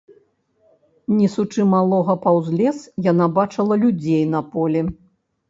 Несучы малога паўз лес, яна бачыла людзей на полі.